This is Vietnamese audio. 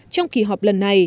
trong kỳ họp lần này